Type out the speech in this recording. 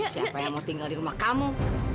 siapa yang mau tinggal di rumah kamu